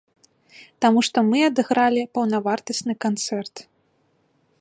Таму што мы адыгралі паўнавартасны канцэрт.